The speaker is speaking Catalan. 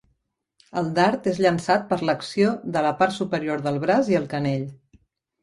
El dard és llançat per l'acció de la part superior del braç i el canell.